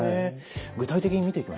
具体的に見ていきましょうか。